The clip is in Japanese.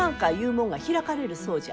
もんが開かれるそうじゃ。